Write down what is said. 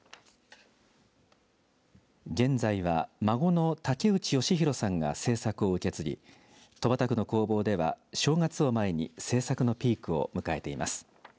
現在は、孫の竹内義博さんが制作を受け継ぎ戸畑区の工房では正月を前に制作のピークを迎えています。